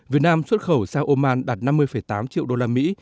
việt nam xuất khẩu sang oman đạt năm mươi tám triệu đô la mỹ